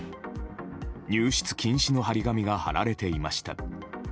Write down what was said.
入室禁止の貼り紙が貼られていました。